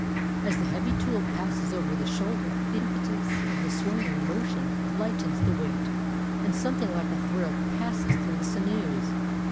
As the heavy tool passes over the shoulder, the impetus of the swinging motion lightens the weight, and something like a thrill passes through the sinews.